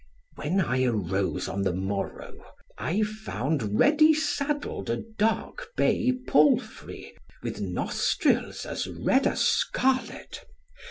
When I arose on the morrow, I found ready saddled a dark bay palfrey, with nostrils as red as scarlet.